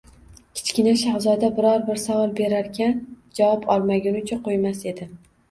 Kichkina shahzoda biror-bir savol berarkan, javob olmagunicha qo‘ymas edi.